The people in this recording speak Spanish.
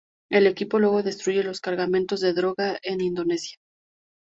El equipo luego destruye los cargamentos de droga en Indonesia.